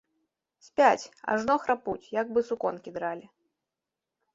Спяць, ажно храпуць, як бы суконкі дралі.